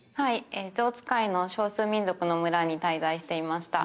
ゾウ使いの少数民族の村に滞在していました。